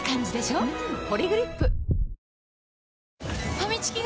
ファミチキが！？